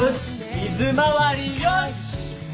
水回りよし！